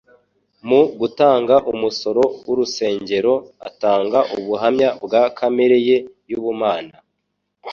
Mu gutanga umusoro w'urusengero atanga ubuhamya bwa kamere ye y'ubumana.